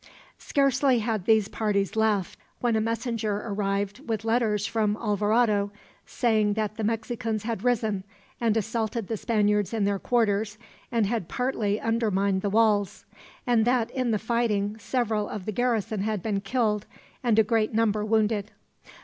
Scarcely had these parties left when a messenger arrived with letters from Alvarado, saying that the Mexicans had risen and assaulted the Spaniards in their quarters, and had partly undermined the walls; and that, in the fighting, several of the garrison had been killed, and a great number wounded.